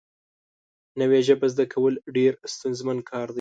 نوې ژبه زده کول ډېر ستونزمن کار دی